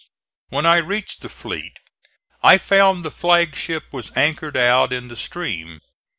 When I reached the fleet I found the flag ship was anchored out in the stream.